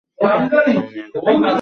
আমি নিয়ে যাচ্ছি, ড্রাক।